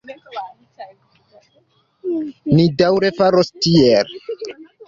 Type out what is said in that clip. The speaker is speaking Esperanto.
Ni daŭre faros tiel.